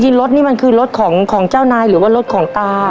รถนี่มันคือรถของเจ้านายหรือว่ารถของตา